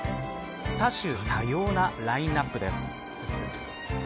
多種多様なラインアップです。